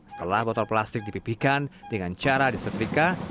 setelah botol plastik dipipihkan dengan cara disetrika